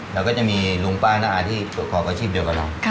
เราก็จะมีลุงป้างน้าอาทีตัวของประชิปเดียวกับเรา